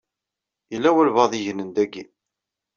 Yella walebɛaḍ i yegnen daki.